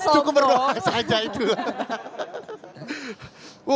cukup berdoa saja itu